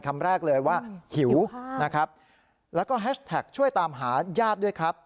คำแรกเลยว่าหิวนะครับแล้วก็แฮชแท็กช่วยตามหาญาติด้วยครับ